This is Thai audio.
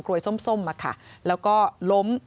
กลวยส้มมาค่ะแล้วก็ล้ม